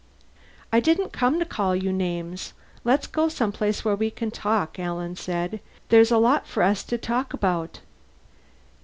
"I didn't come to call you names. Let's go someplace where we can talk," Alan said. "There's a lot for us to talk about."